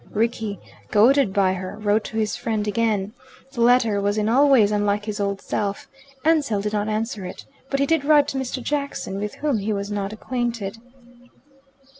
Rickie, goaded by her, wrote to his friend again. The letter was in all ways unlike his old self. Ansell did not answer it. But he did write to Mr. Jackson, with whom he was not acquainted.